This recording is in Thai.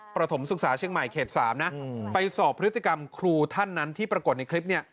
ประถมศึกษาเชียงใหม่เขต๓นะไปสอบพฤติกรรมครูท่านนั้นที่ปรากฏในคลิปเนี่ย